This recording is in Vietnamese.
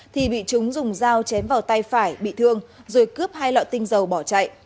thì bị chúng dùng dao chém vào tay phải bị thương rồi cướp hai lọ tinh dầu bỏ chạy